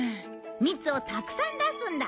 蜜をたくさん出すんだ。